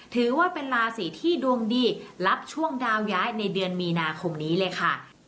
ถือว่าเป็นราศีที่ดวงดีรับช่วงดาวย้ายในเดือนมีนาคมนี้เลยค่ะ